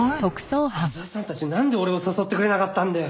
矢沢さんたちなんで俺を誘ってくれなかったんだよ。